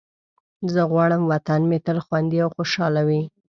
زه غواړم وطن مې تل خوندي او خوشحال وي.